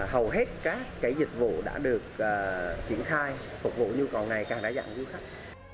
hầu hết các cái dịch vụ đã được triển khai phục vụ nhu cầu ngày càng đa dạng cho khách